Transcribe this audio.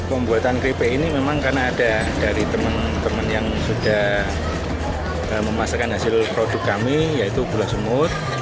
pembuatan keripik ini memang karena ada dari teman teman yang sudah memasakkan hasil produk kami yaitu gula semut